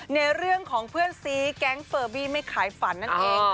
ในเรื่องของเพื่อนซีแก๊งเฟอร์บี้ไม่ขายฝันนั่นเอง